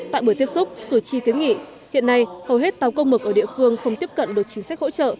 tại buổi tiếp xúc cử tri kiến nghị hiện nay hầu hết tàu công mực ở địa phương không tiếp cận được chính sách hỗ trợ